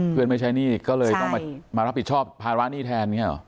อ๋อเพื่อนไม่ใช้หนี้ก็เลยต้องมารับผิดชอบพาระวะหนี้แทนไงหรอ